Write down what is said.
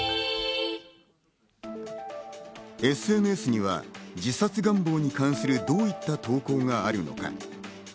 ＳＮＳには自殺願望に関するどういった投稿があるのか。